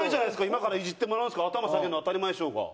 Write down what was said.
今からイジってもらうんですから頭下げるの当たり前でしょうが。